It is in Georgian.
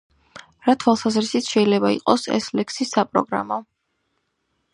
რა თვალსაზრისით შეიძლება იყოს ეს ლექსი საპროგრამო?